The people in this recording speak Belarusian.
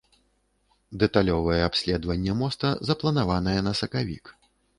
Дэталёвае абследаванне моста запланаванае на сакавік.